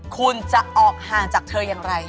คุณจะออกห่างจากเธออย่างไร